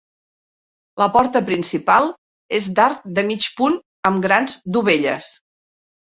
La porta principal és d'arc de mig punt amb grans dovelles.